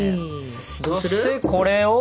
そしてこれを。